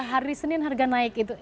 hari senin harga naik gitu